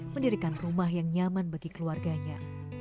mendirikan rumah yang nyaman bagi keluarganya